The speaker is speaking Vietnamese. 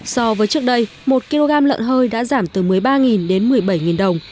so với trước đây một kg lợn hơi đã giảm từ một mươi ba đến một mươi bảy đồng